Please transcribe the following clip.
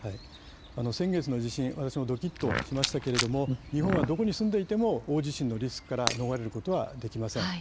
先月の地震私もどきっとしましたが日本はどこに住んでいても大地震のリスクから逃れることはできません。